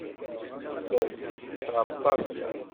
Serset-tt ɣef ṭṭabla.